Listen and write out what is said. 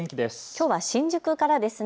きょうは新宿からですね。